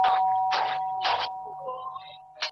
اشاراتو او پېچلو مفاهیمو قرباني کړو